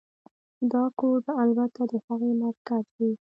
دا کور به البته د هغې مرکز وي